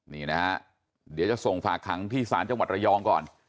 นี่นะฮะเดี๋ยวจะส่งฝากขังที่ศาลจังหวัดระยองก่อน